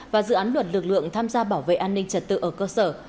và dự án luật lực lượng tham gia bảo vệ an ninh trật tự ở cơ sở